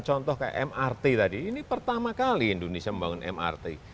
contoh kayak mrt tadi ini pertama kali indonesia membangun mrt